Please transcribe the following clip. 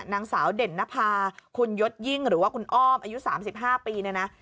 นางสาวเด่นนภาคุณยศยิ่งหรือว่าคุณอ้อมอายุ๓๕ปีเนี่ยนะ